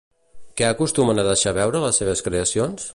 Què acostumen a deixar veure les seves creacions?